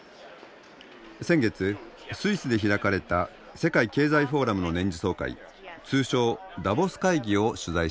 先月スイスで開かれた世界経済フォーラムの年次総会通称ダボス会議を取材しました。